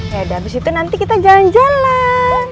ya abis itu nanti kita jalan jalan